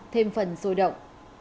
thêm phần sôi động